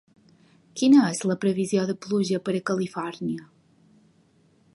Quina és la previsió de pluja per a Califòrnia?